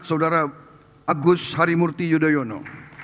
saudara agus harimurti yudhoyono